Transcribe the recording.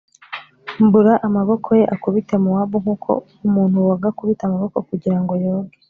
mbura amaboko ye akubite Mowabu nk uko umuntu woga akubita amaboko kugira ngo yoge